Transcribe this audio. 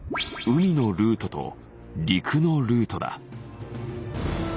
海のルートと陸のルートだ。